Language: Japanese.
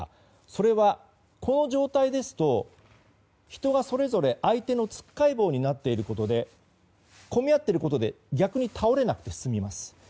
それは、この状態ですと人はそれぞれ、相手のつっかえ棒になっていることで混み合っていることで逆に倒れなくて済みます。